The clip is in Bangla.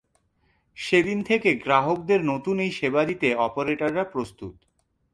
সেদিন থেকে গ্রাহকদের নতুন এই সেবা দিতে অপারেটররা প্রস্তুত।